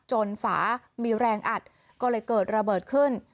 ฝามีแรงอัดก็เลยเกิดระเบิดขึ้น